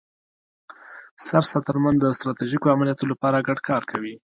سرساتنمن د ستراتیژیکو عملیاتو لپاره ګډ کار کوي.